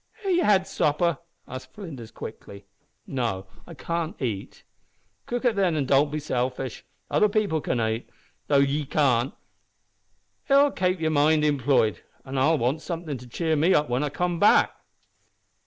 "Have ye had supper?" asked Flinders, quickly. "No I cannot eat." "Cook it then, an' don't be selfish. Other people can ait, though ye can't. It'll kape yer mind employed an I'll want somethin' to cheer me up whin I come back."